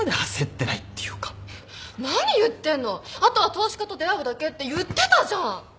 あとは投資家と出会うだけって言ってたじゃん。